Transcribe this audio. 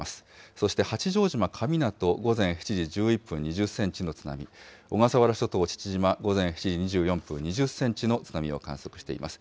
そして八丈島神湊、午前７時１１分、２０センチの津波、小笠原諸島父島、午前７時２４分、２０センチの津波を観測しています。